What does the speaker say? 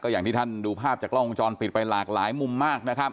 อย่างที่ท่านดูภาพจากกล้องวงจรปิดไปหลากหลายมุมมากนะครับ